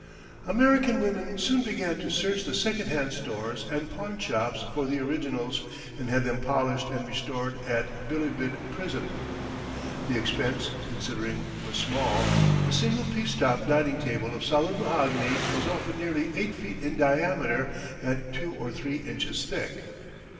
American women soon began to search the second hand stores and pawn shops for the originals, and had them polished and restored at Bilibid Prison. The expense, considering, was small. A single piece top dining table of solid mahogany is often nearly eight feet in diameter and two or three inches thick."